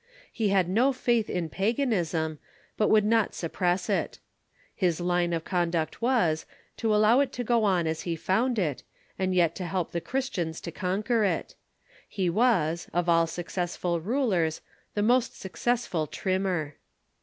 He had no faith in paganism, but would not suppress it. His line of conduct was, to allow it to go on as he found it, and yet to help the Christians to conquer it. He was, of all successful rulers, the most successful trimmer.